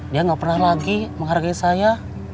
dia gak pernah lagi menghargai saya